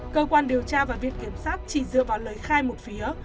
cơ quan điều tra và viện kiểm sát chỉ dựa vào lời khai một phía